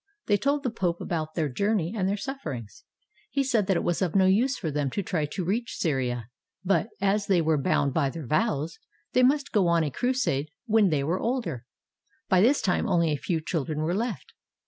They told the Pope about their journey and their sufferings. He said that it was of no use for them to try to reach Syria, but, as they were bound by their vows, they must go on a crusade when they were older. By this time only a few children were left.